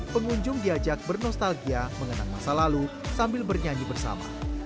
pengunjung diajak bernostalgia mengenang masa lalu sambil bernyanyi bersama